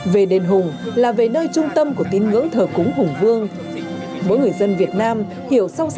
về nền hùng là về nơi trung tâm của tin ngưỡng thờ cúng hùng vương mỗi người dân việt nam hiểu sâu